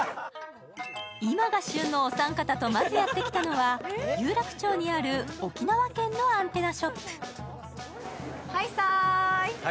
今が旬のお三方と、まずやってきたのは有楽町にある沖縄県のアンテナショップ。